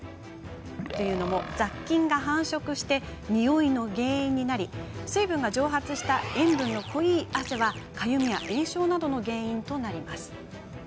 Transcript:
雑菌が繁殖してニオイの原因になり水分が蒸発した塩分の濃い汗はかゆみや炎症などの原因となります。